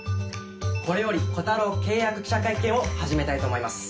これよりコタロー契約記者会見を始めたいと思います。